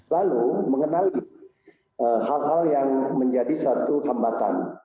lalu mengenali hal hal yang menjadi satu hambatan